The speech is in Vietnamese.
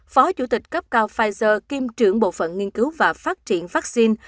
phó chủ tịch cấp cao pfizer kiêm trưởng bộ phận nghiên cứu và phát triển vaccine